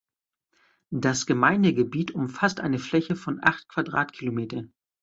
Das Gemeindegebiet umfasst eine Fläche von acht Quadratkilometer.